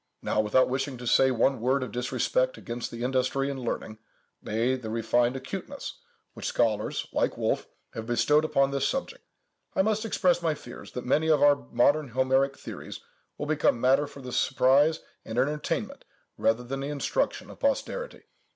Now, without wishing to say one word of disrespect against the industry and learning—nay, the refined acuteness—which scholars, like Wolf, have bestowed upon this subject, I must express my fears, that many of our modern Homeric theories will become matter for the surprise and entertainment, rather than the instruction, of posterity.